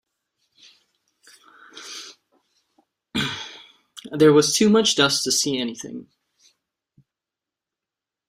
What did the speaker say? There was too much dust to see anything.